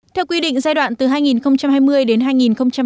theo quy định giai đoạn từ hai nghìn hai mươi đến hai nghìn hai mươi năm